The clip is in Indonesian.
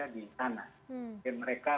di sana mereka